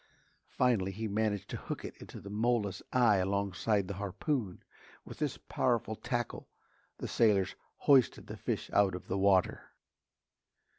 Finally he managed to hook it into the mola's eye alongside the harpoon. With this powerful tackle the sailors hoisted the fish out of water.